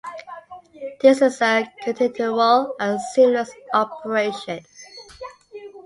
This is a continual and seamless operation.